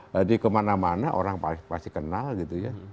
jadi kemana mana orang pasti kenal gitu ya